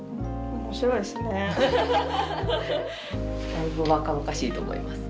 だいぶ若々しいと思います。